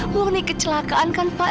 warni kecelakaan kan pak